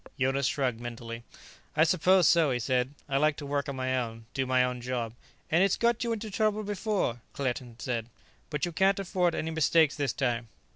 Jonas shrugged mentally. "I suppose so," he said. "I like to work on my own, do my own job " "And it's got you into trouble before," Claerten said. "But you can't afford any mistakes this time."